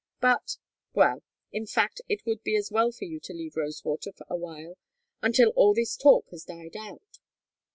But well! in fact it would be as well for you to leave Rosewater for a while until all this talk has died out."